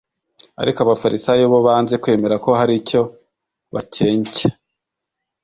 Ariko abafarisayo bo banze kwemera ko hari icyo bakencye.